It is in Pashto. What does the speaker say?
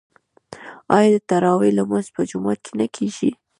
آیا د تراويح لمونځ په جومات کې نه کیږي؟